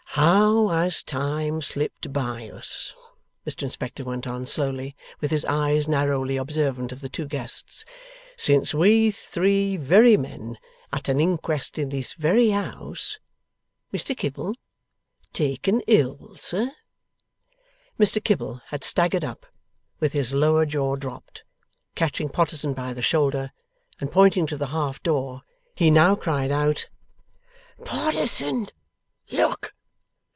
'How has Time slipped by us,' Mr Inspector went on slowly, with his eyes narrowly observant of the two guests, 'since we three very men, at an Inquest in this very house Mr Kibble? Taken ill, sir?' Mr Kibble had staggered up, with his lower jaw dropped, catching Potterson by the shoulder, and pointing to the half door. He now cried out: 'Potterson! Look!